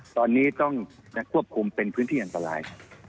ตอนนี้ต้องควบคุมเป็นพื้นที่อันตราย